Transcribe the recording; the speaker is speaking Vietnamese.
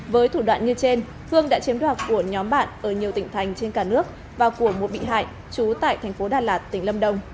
với thủ đoạn như trên hương đã chiếm đoạt của nhóm bạn ở nhiều tỉnh thành trên cả nước và của một bị hại trú tại thành phố đà lạt tỉnh lâm đồng